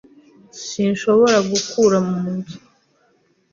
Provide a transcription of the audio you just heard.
Sinshobora gukura mu nzu.